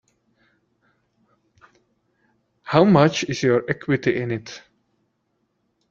How much is your equity in it?